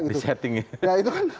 di setting ya